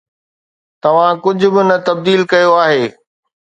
توهان ڪجھ به نه تبديل ڪيو آهي